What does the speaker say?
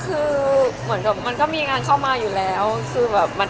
คือเหมือนกับมันก็มีงานเข้ามาอยู่แล้วคือแบบมัน